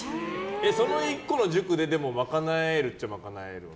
その１個の塾で賄えるっちゃ賄える？